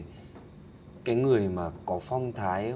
những cái chút phong thái mà là